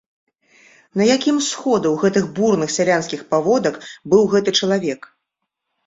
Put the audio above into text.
На якім з сходаў, гэтых бурных сялянскіх паводак, быў гэты чалавек?